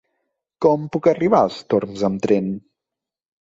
Com puc arribar als Torms amb tren?